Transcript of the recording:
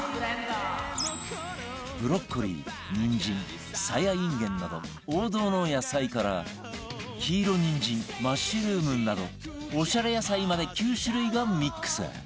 ブロッコリーにんじんサヤインゲンなど王道の野菜から黄色にんじんマッシュルームなどオシャレ野菜まで９種類がミックス